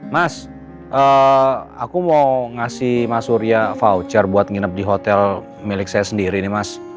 mas aku mau ngasih mas surya voucher buat nginep di hotel milik saya sendiri nih mas